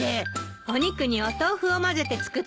お肉にお豆腐を混ぜて作ったのよ。